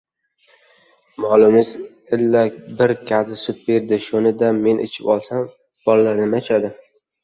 Molimiz illa bir kadi sut beradi — shuni-da men ichib olsam, bolalar nimani ichadi?